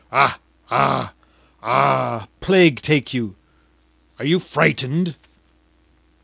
A a a, plague take you! Are you frightened?